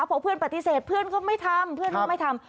เพราะเพื่อนปฏิเสธเพื่อนเขาไม่ทำ